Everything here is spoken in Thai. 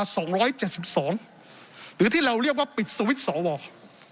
สองร้อยเจ็ดสิบสองหรือที่เราเรียกว่าปิดสวิตช์สอวอ